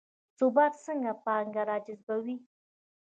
ثبات څنګه پانګه راجذبوي؟